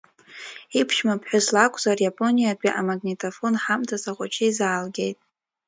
Иԥшәма ԥҳәыс лакәзар, иапониатәи амагнитафон ҳамҭас ахәыҷы изаалгеит.